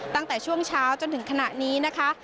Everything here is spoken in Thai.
ตั้งแต่ช่วงเช้าจนถึงขณะนี้นะคะ